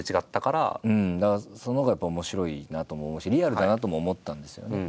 だからそのほうがやっぱ面白いなとも思うしリアルだなとも思ったんですよね。